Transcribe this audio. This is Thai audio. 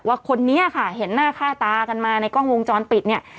ว่าคนนี้ค่ะเห็นหน้าฆ่าตากันมาในกล้องวงจรปิด